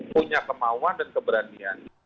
punya kemauan dan keberanian